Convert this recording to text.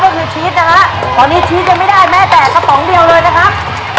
พวกคุณชีสนะคะตอนนี้ที่สิ้นจะไม่ได้แม่แตะตอกเดียวเลยนะครับ